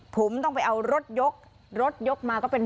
ผมต้องไปเอารถยก